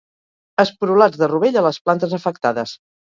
Esporulats de rovell a les plantes afectades.